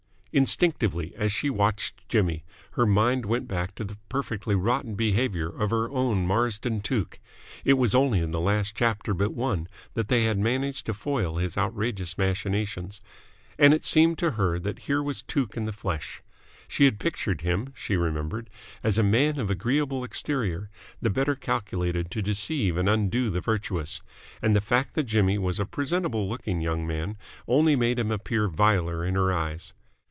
Instinctively, as she watched Jimmy, her mind went back to the perfectly rotten behaviour of her own Marsden Tuke (it was only in the last chapter but one that they managed to foil his outrageous machinations), and it seemed to her that here was Tuke in the flesh. She had pictured him, she remembered, as a man of agreeable exterior, the better calculated to deceive and undo the virtuous; and the fact that Jimmy was a presentable looking young man only made him appear viler in her eyes.